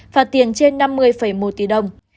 phạt tiền trên năm mươi một tỷ đồng